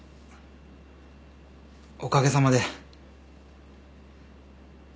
おかげさまで。